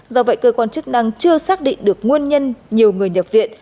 do vậy cơ quan chức năng chưa xác định được nguyên nhân nhiều người nhập viện